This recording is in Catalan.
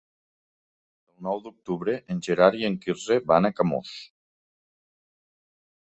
El nou d'octubre en Gerard i en Quirze van a Camós.